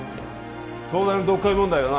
東大の読解問題はな